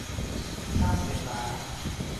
ช่างไฟฟ้า